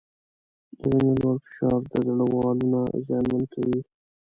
د وینې لوړ فشار د زړه والونه زیانمن کوي.